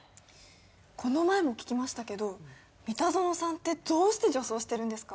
この前も聞きましたけど三田園さんってどうして女装してるんですか？